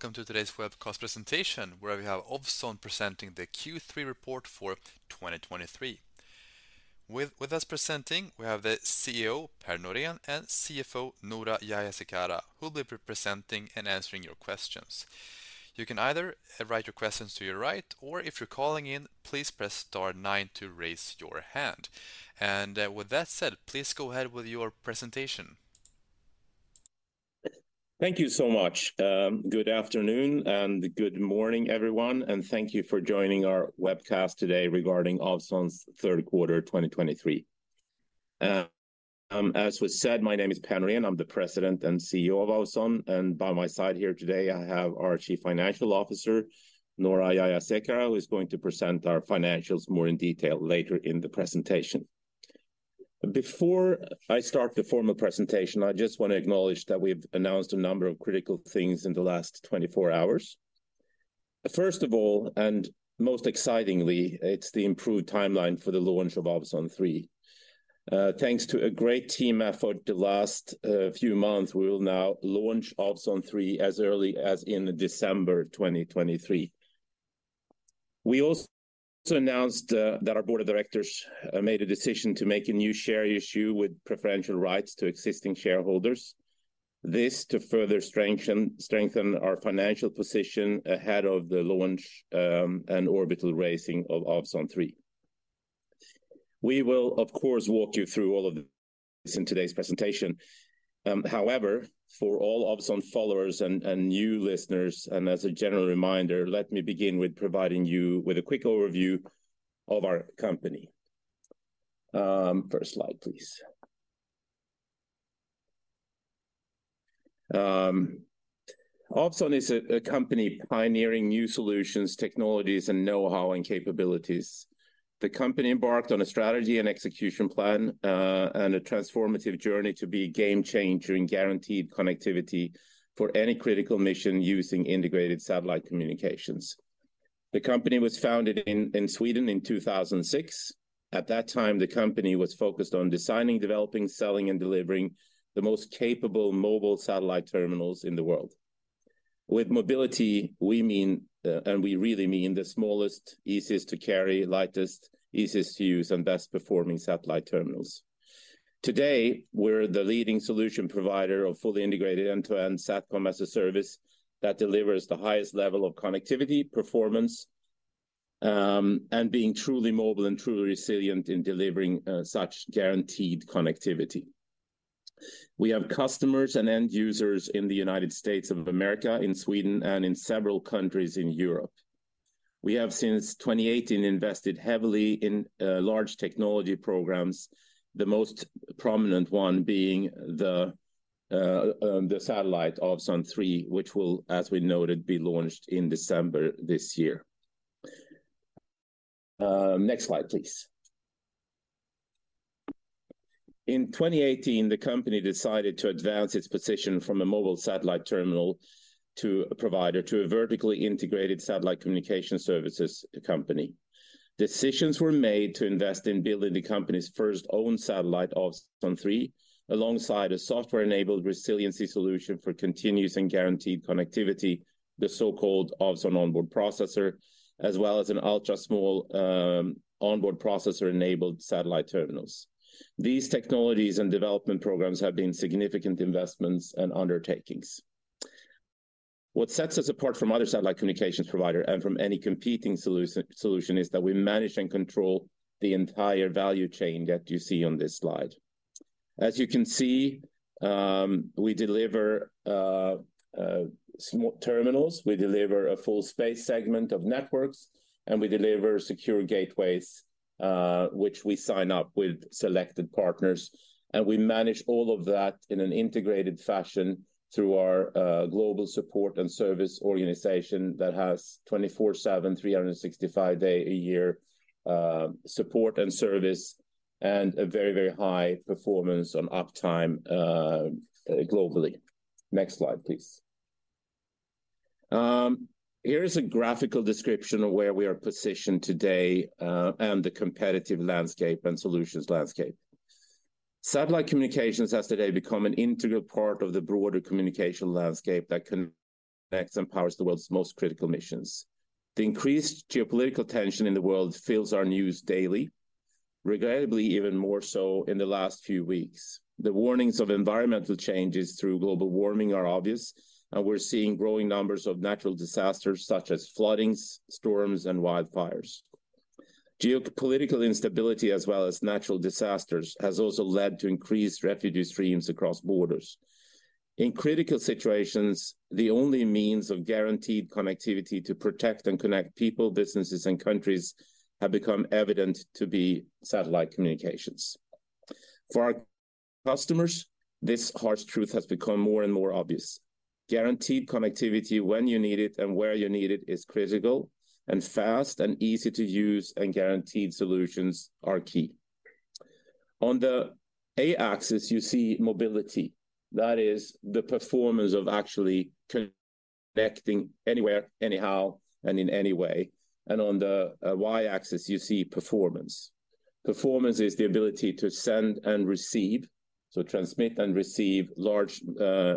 Hello, and welcome to today's webcast presentation, where we have Ovzon presenting the Q3 report for 2023. With us presenting, we have the CEO, Per Norén, and CFO, Noora Jayasekara, who will be presenting and answering your questions. You can either write your questions to your right, or if you're calling in, please press star nine to raise your hand. With that said, please go ahead with your presentation. Thank you so much. Good afternoon and good morning, everyone, and thank you for joining our webcast today regarding Ovzon's third quarter 2023. As was said, my name is Per Norén, I'm the President and CEO of Ovzon, and by my side here today, I have our Chief Financial Officer, Noora Jayasekara, who is going to present our financials more in detail later in the presentation. Before I start the formal presentation, I just want to acknowledge that we've announced a number of critical things in the last 24 hours. First of all, and most excitingly, it's the improved timeline for the launch of Ovzon 3. Thanks to a great team effort the last few months, we will now launch Ovzon 3 as early as in December 2023. We also announced that our Board of Directors made a decision to make a new share issue with preferential rights to existing shareholders. This to further strengthen our financial position ahead of the launch and orbital raising of Ovzon 3. We will, of course, walk you through all of this in today's presentation. However, for all Ovzon followers and new listeners, and as a general reminder, let me begin with providing you with a quick overview of our company. First slide, please. Ovzon is a company pioneering new solutions, technologies, and know-how, and capabilities. The company embarked on a strategy and execution plan and a transformative journey to be a game-changer in guaranteed connectivity for any critical mission, using integrated satellite communications. The company was founded in Sweden in 2006. At that time, the company was focused on designing, developing, selling, and delivering the most capable mobile satellite terminals in the world. With mobility, we mean and we really mean the smallest, easiest to carry, lightest, easiest to use, and best performing satellite terminals. Today, we're the leading solution provider of fully integrated end-to-end SATCOM-as-a-Service that delivers the highest level of connectivity, performance, and being truly mobile and truly resilient in delivering such guaranteed connectivity. We have customers and end users in the United States of America, in Sweden, and in several countries in Europe. We have, since 2018, invested heavily in large technology programs, the most prominent one being the satellite Ovzon 3, which will, as we noted, be launched in December this year. Next slide, please. In 2018, the company decided to advance its position from a mobile satellite terminal to a provider, to a vertically integrated satellite communication services company. Decisions were made to invest in building the company's first own satellite, Ovzon 3, alongside a software-enabled resiliency solution for continuous and guaranteed connectivity, the so-called Ovzon Onboard Processor, as well as an ultra-small, onboard processor-enabled satellite terminals. These technologies and development programs have been significant investments and undertakings. What sets us apart from other satellite communications provider and from any competing solution is that we manage and control the entire value chain that you see on this slide. As you can see, we deliver small terminals, we deliver a full space segment of networks, and we deliver secure gateways which we sign up with selected partners. We manage all of that in an integrated fashion through our global support and service organization that has 24/7, 365-day a year support and service, and a very, very high performance on uptime globally. Next slide, please. Here is a graphical description of where we are positioned today and the competitive landscape and solutions landscape. Satellite communications has today become an integral part of the broader communication landscape that connects and powers the world's most critical missions. The increased geopolitical tension in the world fills our news daily, regrettably, even more so in the last few weeks. The warnings of environmental changes through global warming are obvious, and we're seeing growing numbers of natural disasters, such as floodings, storms, and wildfires. Geopolitical instability, as well as natural disasters, has also led to increased refugee streams across borders. In critical situations, the only means of guaranteed connectivity to protect and connect people, businesses, and countries, have become evident to be satellite communications. For our customers, this harsh truth has become more and more obvious. Guaranteed connectivity when you need it and where you need it, is critical, and fast and easy-to-use and guaranteed solutions are key. On the x-axis, you see mobility. That is the performance of actually connecting anywhere, anyhow, and in any way. On the Y axis, you see performance. Performance is the ability to send and receive. Transmit and receive large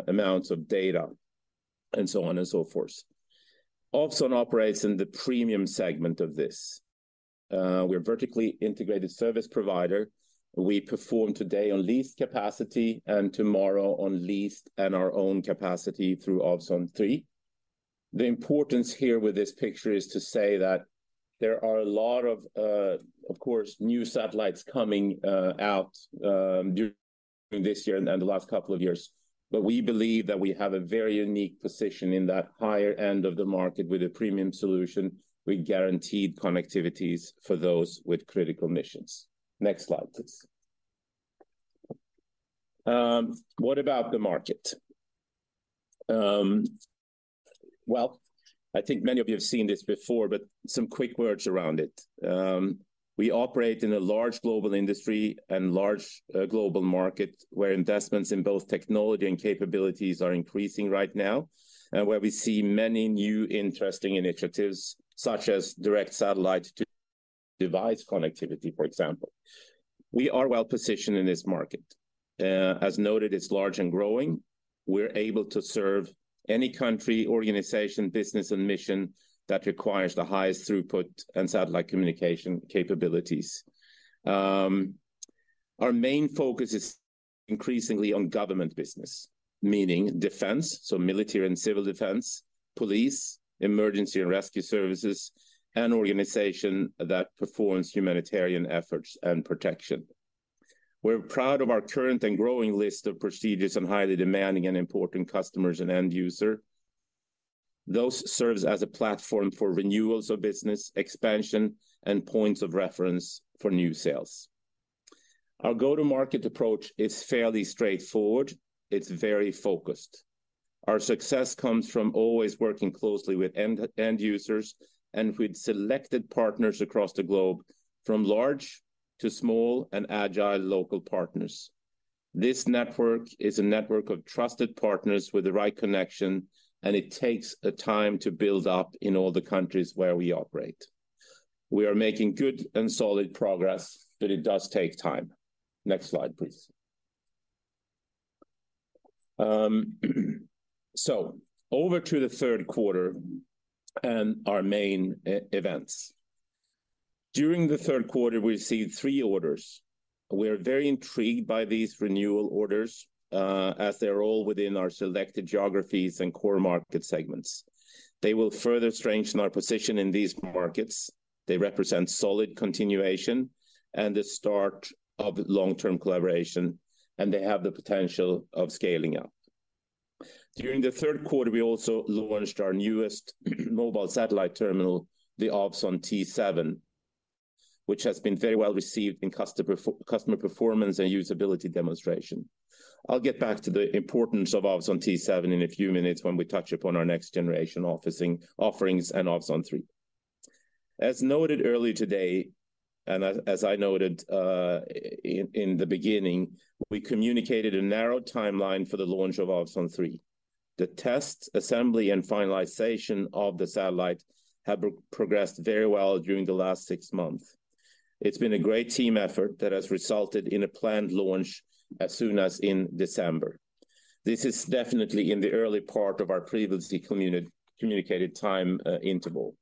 amounts of data, and so on and so forth. Ovzon operates in the premium segment of this. We're a vertically integrated service provider. We perform today on leased capacity, and tomorrow on leased and our own capacity through Ovzon 3. The importance here with this picture is to say that there are a lot of, of course, new satellites coming out during this year and the last couple of years. We believe that we have a very unique position in that higher end of the market with a premium solution, with guaranteed connectivities for those with critical missions. Next slide, please. What about the market? Well, I think many of you have seen this before, but some quick words around it. We operate in a large global industry and large global market, where investments in both technology and capabilities are increasing right now, and where we see many new interesting initiatives, such as direct satellite to device connectivity, for example. We are well positioned in this market. As noted, it's large and growing. We're able to serve any country, organization, business, and mission that requires the highest throughput and satellite communication capabilities. Our main focus is increasingly on government business, meaning defense, so military and civil defense, police, emergency and rescue services, and organization that performs humanitarian efforts and protection. We're proud of our current and growing list of prestigious and highly demanding and important customers and end user. Those serves as a platform for renewals of business expansion and points of reference for new sales. Our go-to-market approach is fairly straightforward. It's very focused. Our success comes from always working closely with end users and with selected partners across the globe, from large to small and agile local partners. This network is a network of trusted partners with the right connection, and it takes a time to build up in all the countries where we operate. We are making good and solid progress, but it does take time. Next slide, please. Over to the third quarter and our main events. During the third quarter, we received three orders. We are very intrigued by these renewal orders as they're all within our selected geographies and core market segments. They will further strengthen our position in these markets. They represent solid continuation and the start of long-term collaboration, and they have the potential of scaling up. During the third quarter, we also launched our newest mobile satellite terminal, the Ovzon T7, which has been very well received in customer performance and usability demonstration. I'll get back to the importance of Ovzon T7 in a few minutes when we touch upon our next-generation offerings and Ovzon 3. As noted earlier today, and as I noted in the beginning, we communicated a narrow timeline for the launch of Ovzon 3. The test, assembly, and finalization of the satellite have progressed very well during the last six months. It's been a great team effort that has resulted in a planned launch as soon as in December. This is definitely in the early part of our previously communicated time interval.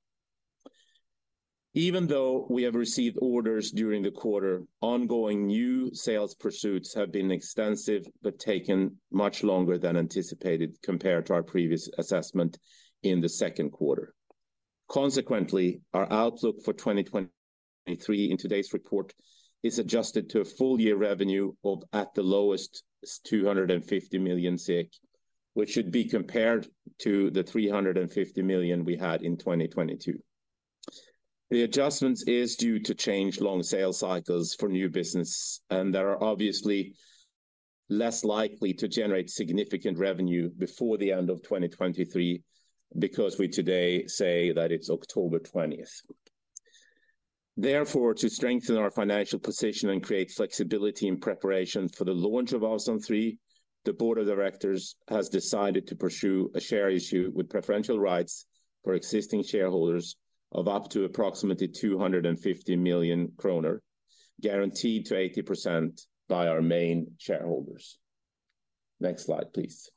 Even though we have received orders during the quarter, ongoing new sales pursuits have been extensive, but taken much longer than anticipated compared to our previous assessment in the second quarter. Consequently, our outlook for 2023 in today's report is adjusted to a full year revenue of, at the lowest, 250 million, which should be compared to the 350 million we had in 2022. The adjustments is due to changed long sales cycles for new business, and they are obviously less likely to generate significant revenue before the end of 2023, because we today say that it's October 20th. Therefore, to strengthen our financial position and create flexibility in preparation for the launch of Ovzon 3, the Board of Directors has decided to pursue a share issue with preferential rights for existing shareholders of up to approximately 250 million kronor, guaranteed to 80% by our main shareholders. Next slide, please.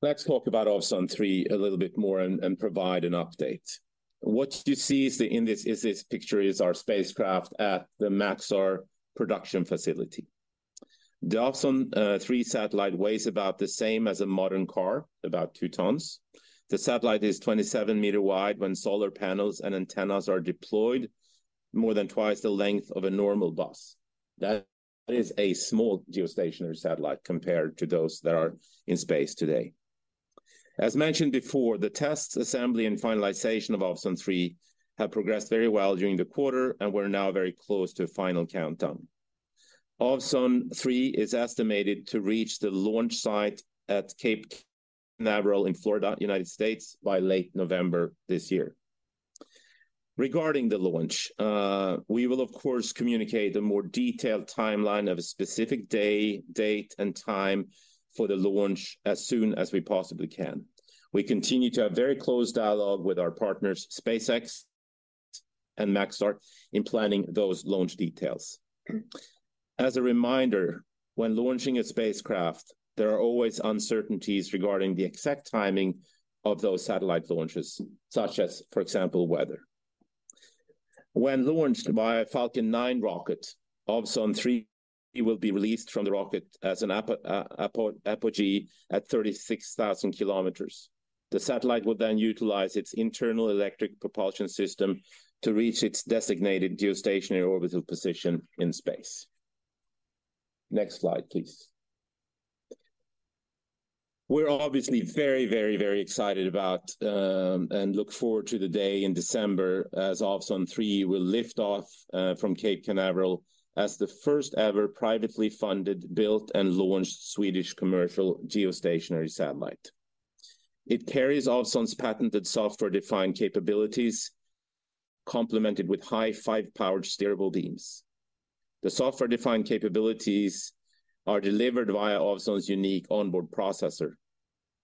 Let's talk about Ovzon 3 a little bit more and provide an update. What you see in this picture is our spacecraft at the Maxar production facility. The Ovzon 3 satellite weighs about the same as a modern car, about 2 tons. The satellite is 27 m wide when solar panels and antennas are deployed, more than twice the length of a normal bus. That is a small geostationary satellite compared to those that are in space today. As mentioned before, the tests, assembly, and finalization of Ovzon 3 have progressed very well during the quarter, and we're now very close to final countdown. Ovzon 3 is estimated to reach the launch site at Cape Canaveral in Florida, United States, by late November this year. Regarding the launch, we will, of course, communicate a more detailed timeline of a specific day, date, and time for the launch as soon as we possibly can. We continue to have very close dialogue with our partners, SpaceX and Maxar in planning those launch details. As a reminder, when launching a spacecraft, there are always uncertainties regarding the exact timing of those satellite launches, such as, for example, weather. When launched by a Falcon 9 rocket, Ovzon 3 will be released from the rocket at apogee at 36,000 km. The satellite will then utilize its internal electric propulsion system to reach its designated geostationary orbital position in space. Next slide, please. We're obviously very, very, very excited about and look forward to the day in December, as Ovzon 3 will lift off from Cape Canaveral as the first-ever privately funded, built, and launched Swedish commercial geostationary satellite. It carries Ovzon's patented software-defined capabilities, complemented with high-powered steerable beams. The software-defined capabilities are delivered via Ovzon's unique onboard processor.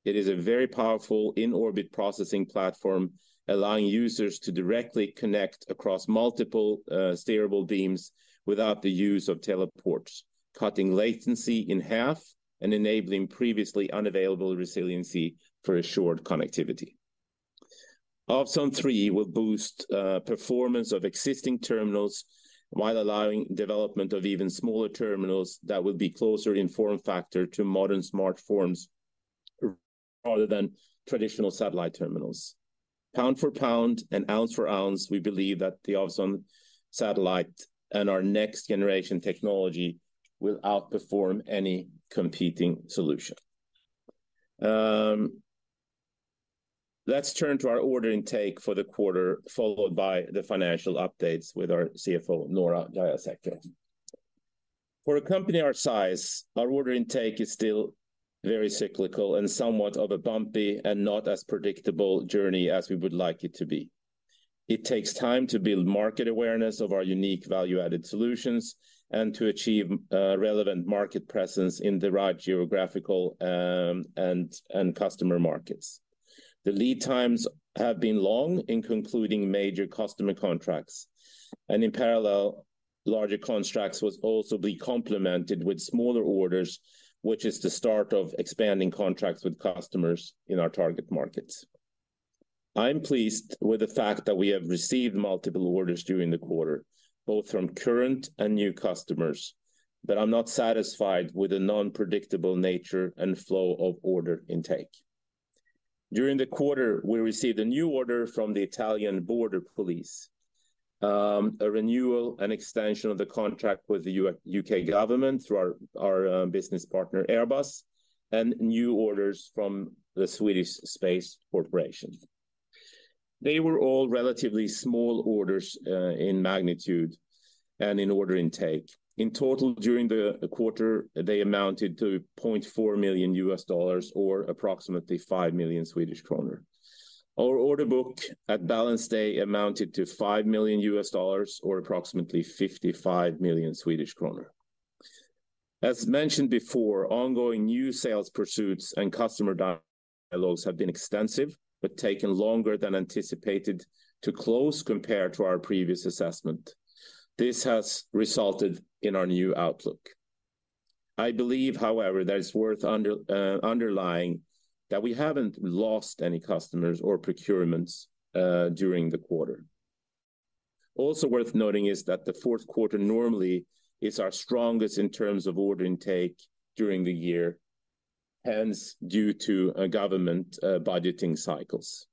It is a very powerful in-orbit processing platform, allowing users to directly connect across multiple steerable beams without the use of teleports, cutting latency in half and enabling previously unavailable resiliency for assured connectivity. Ovzon 3 will boost performance of existing terminals while allowing development of even smaller terminals that will be closer in form factor to modern smartphones, rather than traditional satellite terminals. Pound for pound and ounce for ounce, we believe that the Ovzon satellite and our next-generation technology will outperform any competing solution. Let's turn to our order intake for the quarter, followed by the financial updates with our CFO, Noora Jayasekara. For a company our size, our order intake is still very cyclical and somewhat of a bumpy and not as predictable journey as we would like it to be. It takes time to build market awareness of our unique value-added solutions and to achieve relevant market presence in the right geographical and customer markets. The lead times have been long in concluding major customer contracts, and in parallel, larger contracts will also be complemented with smaller orders, which is the start of expanding contracts with customers in our target markets. I'm pleased with the fact that we have received multiple orders during the quarter, both from current and new customers, but I'm not satisfied with the non-predictable nature and flow of order intake. During the quarter, we received a new order from the Italian Border Police, a renewal and extension of the contract with the U.K. government through our business partner, Airbus, and new orders from the Swedish Space Corporation. They were all relatively small orders in magnitude and in order intake. In total, during the quarter, they amounted to $0.4 million or approximately 5 million Swedish kronor. Our order book at balance day amounted to $5 million or approximately 55 million Swedish kronor. As mentioned before, ongoing new sales pursuits and customer dialogues have been extensive but taken longer than anticipated to close compared to our previous assessment. This has resulted in our new outlook. I believe, however, that it's worth underlining that we haven't lost any customers or procurements during the quarter. Also worth noting is that the fourth quarter normally is our strongest in terms of order intake during the year, hence due to government budgeting cycles.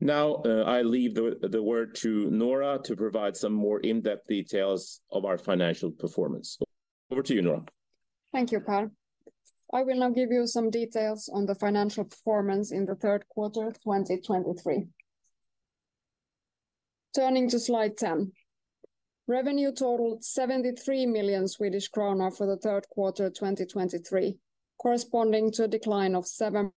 Now I leave the word to Noora to provide some more in-depth details of our financial performance. Over to you, Noora. Thank you, Per. I will now give you some details on the financial performance in the third quarter of 2023. Turning to Slide 10, revenue totaled 73 million Swedish kronor for the third quarter of 2023, corresponding to a decline of 7%.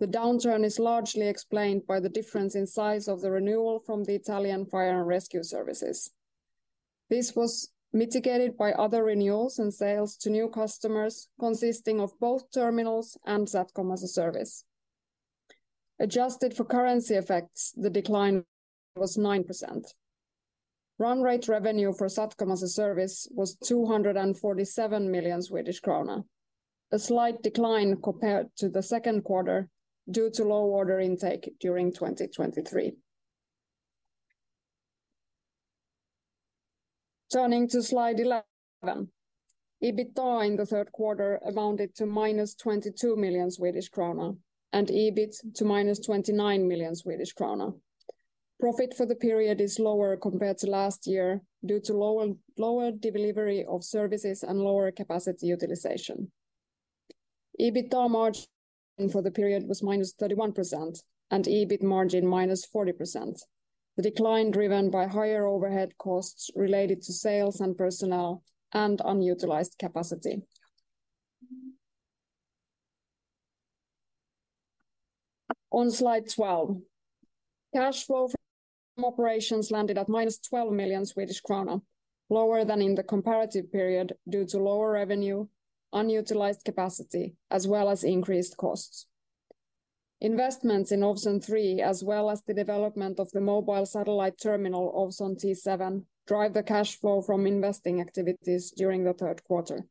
The downturn is largely explained by the difference in size of the renewal from the Italian Fire and Rescue Services. This was mitigated by other renewals and sales to new customers, consisting of both terminals and SATCOM-as-a-Service. Adjusted for currency effects, the decline was 9%. Run rate revenue for SATCOM-as-a-Service was 247 million Swedish krona, a slight decline compared to the second quarter due to low order intake during 2023. Turning to Slide 11, EBITDA in the third quarter amounted to -22 million Swedish krona and EBIT to -29 million Swedish krona. Profit for the period is lower compared to last year, due to lower delivery of services and lower capacity utilization. EBITDA margin for the period was -31% and EBIT margin, -40%. The decline driven by higher overhead costs related to sales and personnel and unutilized capacity. On Slide 12, cash flow from operations landed at -12 million Swedish krona, lower than in the comparative period due to lower revenue, unutilized capacity, as well as increased costs. Investments in Ovzon 3, as well as the development of the mobile satellite terminal, Ovzon T7, drive the cash flow from investing activities during the third quarter.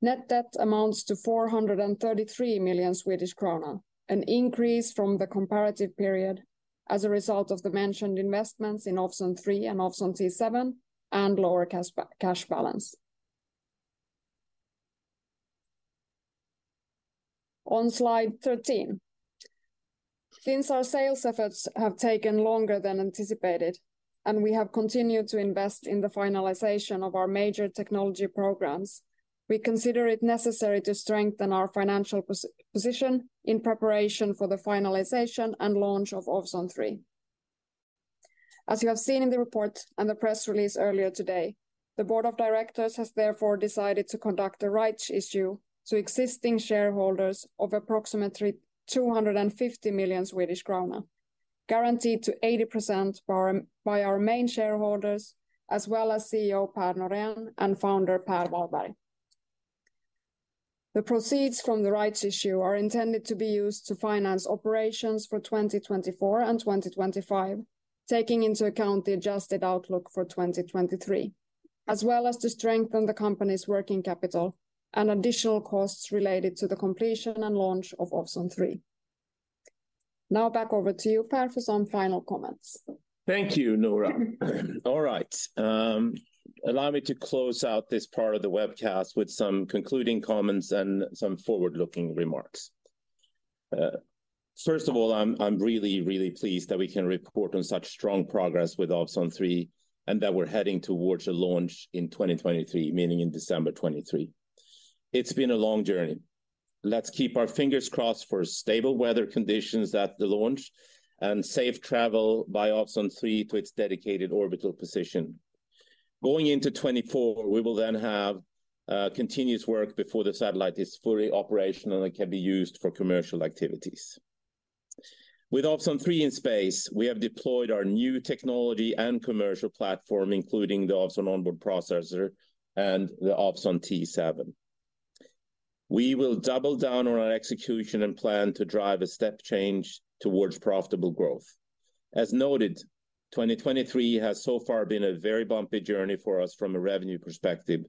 Net debt amounts to 433 million Swedish krona, an increase from the comparative period as a result of the mentioned investments in Ovzon 3 and Ovzon T7, and lower cash balance. On Slide 13, since our sales efforts have taken longer than anticipated, and we have continued to invest in the finalization of our major technology programs, we consider it necessary to strengthen our financial position in preparation for the finalization and launch of Ovzon 3. As you have seen in the report and the press release earlier today, the Board of Directors has therefore decided to conduct a rights issue to existing shareholders of approximately 250 million Swedish krona, guaranteed to 80% by our main shareholders, as well as CEO Per Norén and founder Per Wahlberg. The proceeds from the rights issue are intended to be used to finance operations for 2024 and 2025, taking into account the adjusted outlook for 2023, as well as to strengthen the company's working capital and additional costs related to the completion and launch of Ovzon 3. Now back over to you, Per, for some final comments. Thank you, Noora. All right, allow me to close out this part of the webcast with some concluding comments and some forward-looking remarks. First of all, I'm really, really pleased that we can report on such strong progress with Ovzon 3, and that we're heading towards a launch in 2023, meaning in December 2023. It's been a long journey. Let's keep our fingers crossed for stable weather conditions at the launch, and safe travel by Ovzon 3 to its dedicated orbital position. Going into 2024, we will then have continuous work before the satellite is fully operational and can be used for commercial activities. With Ovzon 3 in space, we have deployed our new technology and commercial platform, including the Ovzon onboard processor and the Ovzon T7. We will double down on our execution and plan to drive a step change towards profitable growth. As noted, 2023 has so far been a very bumpy journey for us from a revenue perspective,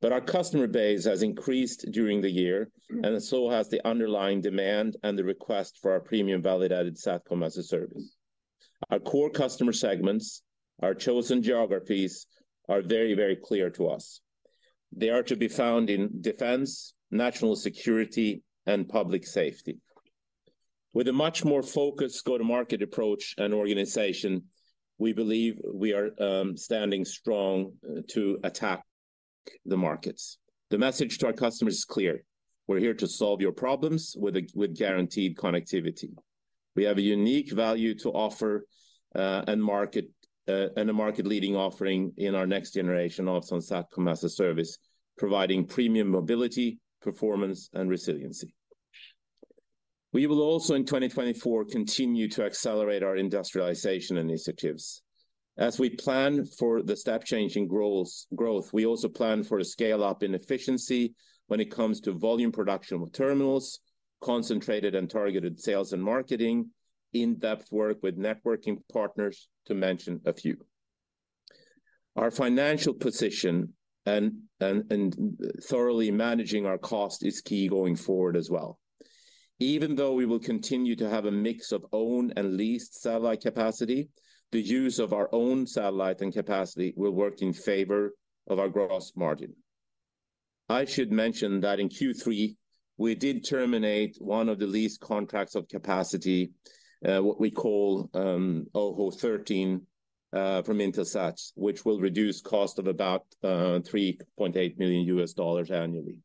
but our customer base has increased during the year, and so has the underlying demand and the request for our premium validated SATCOM-as-a-Service. Our core customer segments, our chosen geographies, are very, very clear to us. They are to be found in defense, national security, and public safety. With a much more focused go-to-market approach and organization, we believe we are standing strong to attack the markets. The message to our customers is clear: we're here to solve your problems with guaranteed connectivity. We have a unique value to offer and a market-leading offering in our next-generation Ovzon SATCOM-as-a-Service, providing premium mobility, performance, and resiliency. We will also, in 2024, continue to accelerate our industrialization initiatives. As we plan for the step change in growth, we also plan for a scale-up in efficiency when it comes to volume production with terminals, concentrated and targeted sales and marketing, in-depth work with networking partners, to mention a few. Our financial position and thoroughly managing our cost is key going forward as well. Even though we will continue to have a mix of owned and leased satellite capacity, the use of our own satellite and capacity will work in favor of our gross margin. I should mention that in Q3, we did terminate one of the lease contracts of capacity, what we call OHO 13, from Intelsat, which will reduce cost of about $3.8 million annually.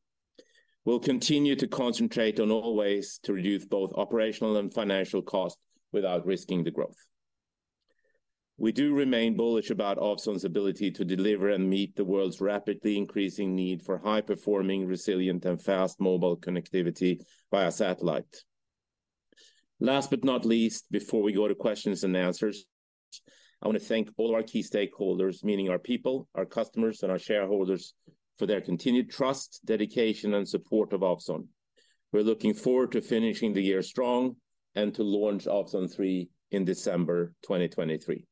We'll continue to concentrate on all ways to reduce both operational and financial costs without risking the growth. We do remain bullish about Ovzon's ability to deliver and meet the world's rapidly increasing need for high-performing, resilient, and fast mobile connectivity via satellite. Last but not least, before we go to questions and answers, I want to thank all our key stakeholders, meaning our people, our customers, and our shareholders, for their continued trust, dedication, and support of Ovzon. We're looking forward to finishing the year strong and to launch Ovzon 3 in December 2023.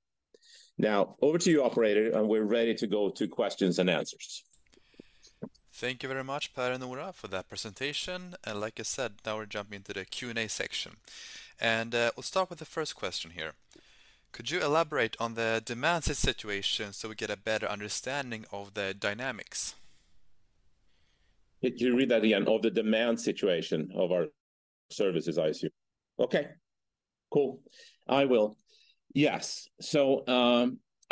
Now, over to you, operator, and we're ready to go to questions and answers. Thank you very much, Per and Noora, for that presentation. Like I said, now we're jumping into the Q&A section. We'll start with the first question here. Could you elaborate on the demand situation so we get a better understanding of the dynamics? Could you read that again? Of the demand situation of our services, I assume. Okay, cool. I will. Yes. I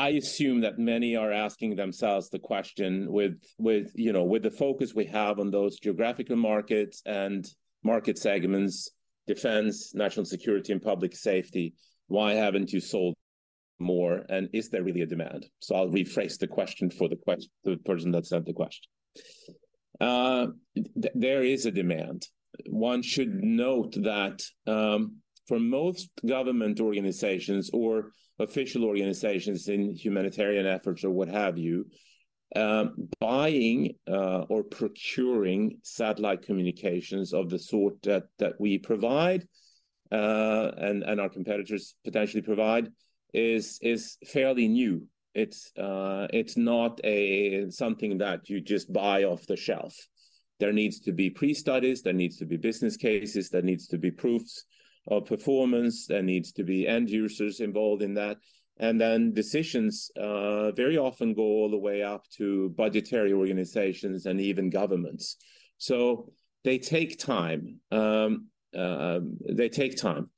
assume that many are asking themselves the question with, you know, the focus we have on those geographical markets and market segments, defense, national security, and public safety, why haven't you sold more, and is there really a demand? I'll rephrase the question for the person that sent the question. There is a demand. One should note that for most government organizations or official organizations in humanitarian efforts or what have you, buying or procuring satellite communications of the sort that we provide and our competitors potentially provide is fairly new. It's not something that you just buy off the shelf. There needs to be pre-studies, there needs to be business cases, there needs to be proofs of performance, there needs to be end users involved in that. Decisions very often go all the way up to budgetary organizations and even governments. They take time. They take time.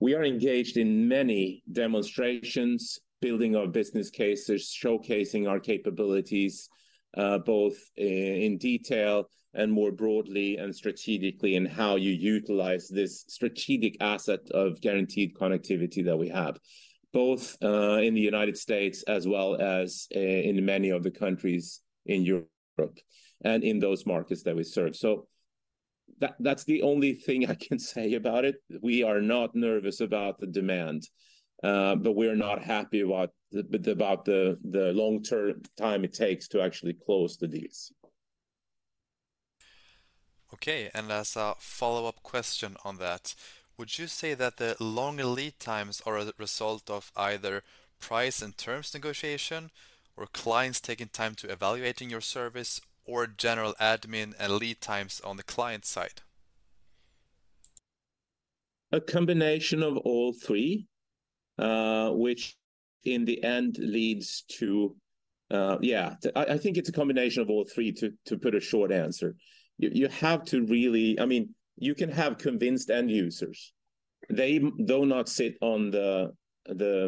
We are engaged in many demonstrations, building our business cases, showcasing our capabilities, both in detail and more broadly and strategically in how you utilize this strategic asset of guaranteed connectivity that we have, both in the United States as well as in many of the countries in Europe, and in those markets that we serve. That's the only thing I can say about it. We are not nervous about the demand, but we're not happy about the long-term time it takes to actually close the deals. Okay, and as a follow-up question on that, would you say that the long lead times are a result of either price and terms negotiation, or clients taking time to evaluating your service, or general admin and lead times on the client side? A combination of all three which in the end leads to... Yeah, I think it's a combination of all three to put a short answer. You have to really, I mean, you can have convinced end users. They do not sit on the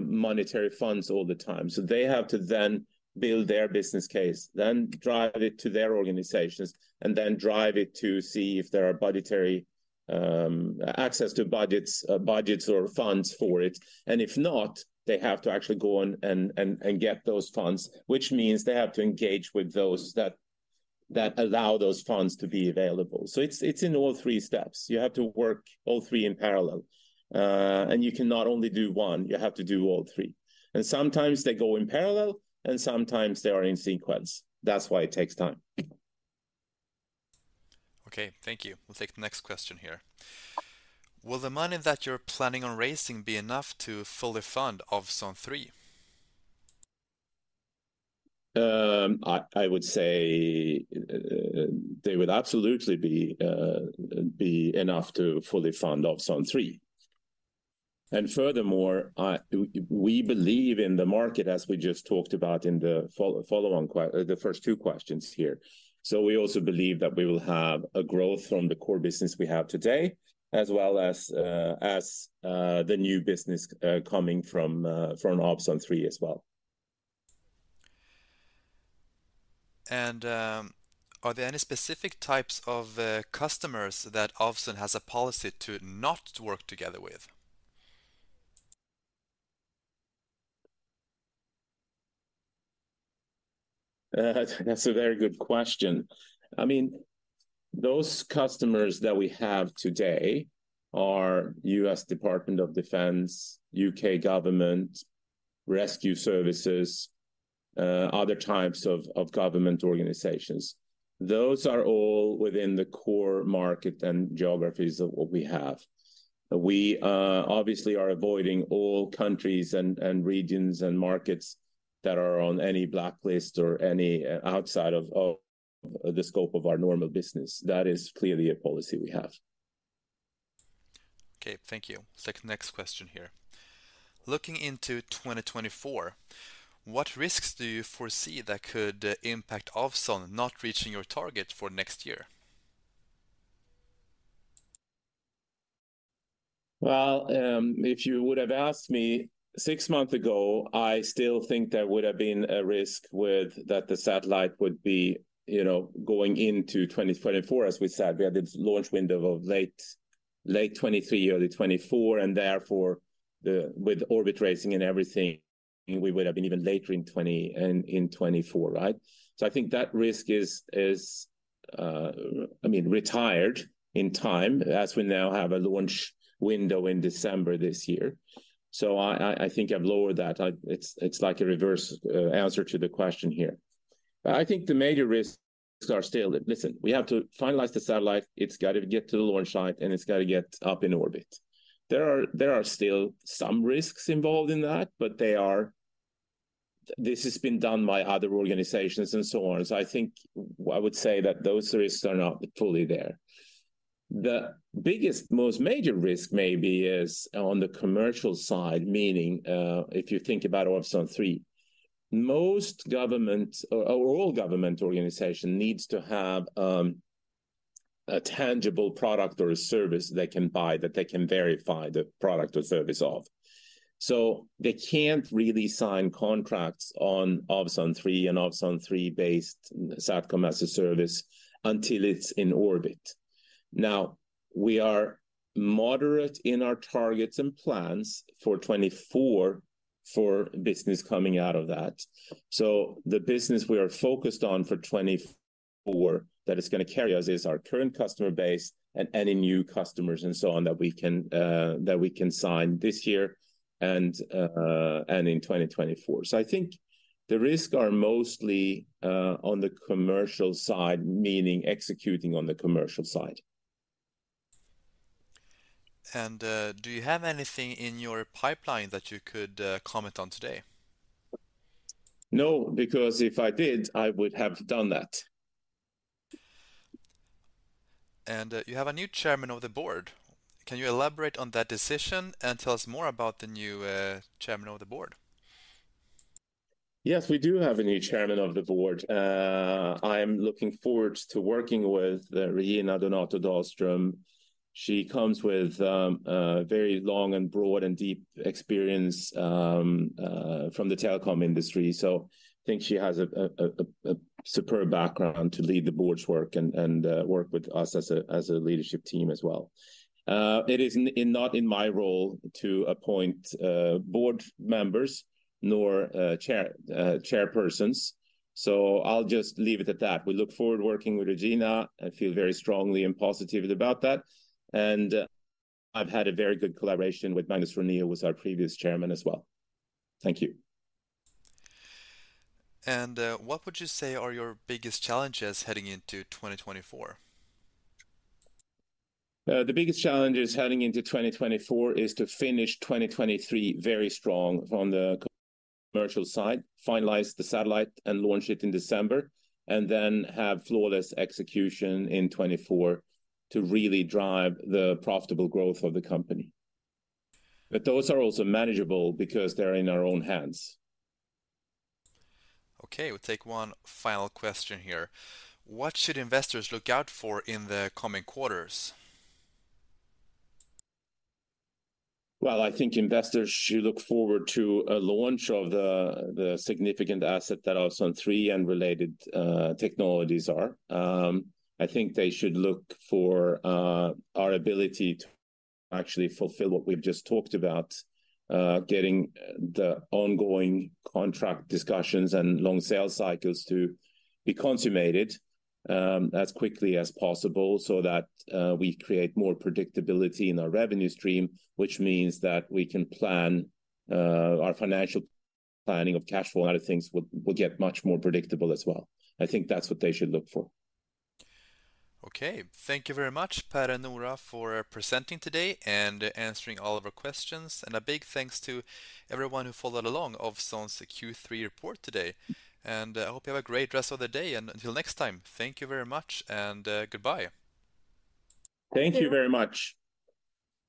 monetary funds all the time, so they have to then build their business case, then drive it to their organizations, and then drive it to see if there are budgetary access to budgets or funds for it. If not, they have to actually go and get those funds, which means they have to engage with those that allow those funds to be available. It's in all three steps. You have to work all three in parallel. You cannot only do one, you have to do all three. Sometimes they go in parallel, and sometimes they are in sequence. That's why it takes time. Okay, thank you. We'll take the next question here. Will the money that you're planning on raising be enough to fully fund Ovzon 3? I would say they would absolutely be enough to fully fund Ovzon 3. Furthermore, we believe in the market, as we just talked about in the follow-on the first two questions here. We also believe that we will have a growth from the core business we have today, as well as the new business coming from Ovzon 3 as well. Are there any specific types of customers that Ovzon has a policy to not work together with? That's a very good question. I mean, those customers that we have today are U.S. Department of Defense, U.K. government, rescue services, other types of government organizations. Those are all within the core market and geographies of what we have. We obviously are avoiding all countries and regions and markets that are on any blacklist or any outside of the scope of our normal business. That is clearly a policy we have. Okay, thank you. Let's take the next question here. Looking into 2024, what risks do you foresee that could impact Ovzon not reaching your target for next year? Well, if you would have asked me six month ago, I still think there would have been a risk with, that the satellite would be, you know, going into 2024. As we said, we had this launch window of late, late 2023, early 2024, and therefore, with orbit raising and everything, we would have been even later in 2024, right? I think that risk is, I mean, retired in time, as we now have a launch window in December this year. I think I've lowered that. It's like a reverse answer to the question here. I think the major risks are still... Listen, we have to finalize the satellite. It's got to get to the launch site, and it's got to get up in orbit. There are still some risks involved in that, but this has been done by other organizations and so on. I think I would say that those risks are not fully there. The biggest, most major risk maybe is on the commercial side, meaning if you think about Ovzon 3, most government or all government organization needs to have a tangible product or a service they can buy, that they can verify the product or service of. They can't really sign contracts on Ovzon 3 and Ovzon 3-based SATCOM-as-a-Service until it's in orbit. Now, we are moderate in our targets and plans for 2024 for business coming out of that. The business we are focused on for 2024 that is going to carry us is our current customer base and any new customers and so on, that we can sign this year and in 2024. I think the risk are mostly on the commercial side, meaning executing on the commercial side. Do you have anything in your pipeline that you could comment on today? No, because if I did, I would have done that. You have a new Chairman of the Board. Can you elaborate on that decision and tell us more about the new Chairman of the Board? Yes, we do have a new Chairman of the Board. I'm looking forward to working with Regina Donato Dahlström. She comes with a very long and broad and deep experience from the telecom industry. I think she has a superb background to lead the board's work and work with us as a leadership team as well. It is not in my role to appoint board members, nor chairpersons, so I'll just leave it at that. We look forward working with Regina. I feel very strongly and positive about that, and I've had a very good collaboration with Magnus René, who was our previous Chairman as well. Thank you. What would you say are your biggest challenges heading into 2024? The biggest challenges heading into 2024 is to finish 2023 very strong on the commercial side, finalize the satellite, and launch it in December, and then have flawless execution in 2024 to really drive the profitable growth of the company. Those are also manageable because they're in our own hands. Okay, we'll take one final question here. What should investors look out for in the coming quarters? Well, I think investors should look forward to a launch of the significant asset that Ovzon 3 and related technologies are. I think they should look for our ability to actually fulfill what we've just talked about, getting the ongoing contract discussions and long sales cycles to be consummated as quickly as possible, so that we create more predictability in our revenue stream. Which means that we can plan our financial planning of cash flow, a lot of things will get much more predictable as well. I think that's what they should look for. Okay. Thank you very much, Per and Noora, for presenting today and answering all of our questions. A big thanks to everyone who followed along Ovzon's Q3 report today. I hope you have a great rest of the day, and until next time, thank you very much, and goodbye. Thank you very much.